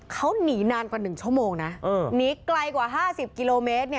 เขาหนีนานกว่า๑ชั่วโมงนะหนีไกลกว่า๕๐กิโลเมตร